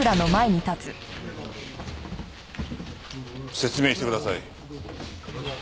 説明してください。